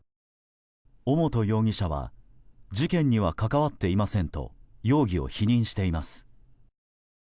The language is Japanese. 尾本容疑者は事件には関わっていませんと容疑を否認しています。